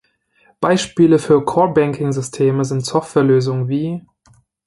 Beispiele für Core Banking Systeme sind Softwarelösungen wie